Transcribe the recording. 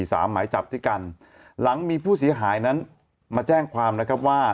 หมายจับด้วยกันหลังมีผู้เสียหายนั้นมาแจ้งความนะครับว่า